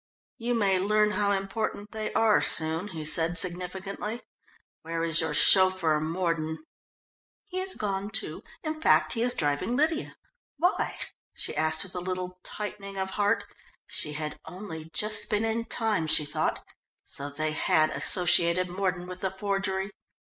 "You may learn how important they are soon," he said significantly. "Where is your chauffeur, Mordon?" "He is gone, too in fact, he is driving Lydia. Why?" she asked with a little tightening of heart. She had only just been in time, she thought. So they had associated Mordon with the forgery!